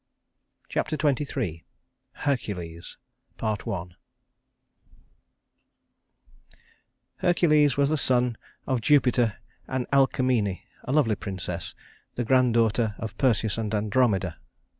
Chapter XXIII Hercules Part I Hercules was the son of Jupiter and Alcmene a lovely princess, the granddaughter of Perseus and Andromeda.